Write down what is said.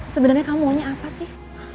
sebenarnya kamu maunya apa sih